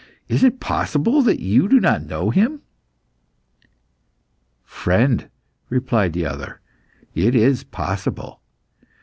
Is it possible that you do not know Him?" "Friend," replied the other, "it is possible.